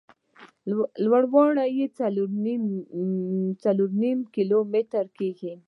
لوړ والی یې څلور نیم کیلومتره کېږي.